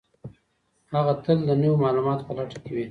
هغه تل د نويو معلوماتو په لټه کي وي.